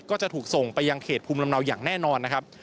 ก็จะถูกส่งไปยังเขตภูมิลำเนาอย่างแน่นอนนะครับ